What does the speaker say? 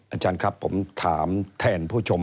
อาจารย์ครับผมถามแทนผู้ชม